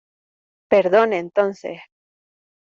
perdone entonces.